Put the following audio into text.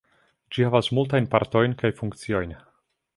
Ĝi havas multajn partojn kaj funkciojn.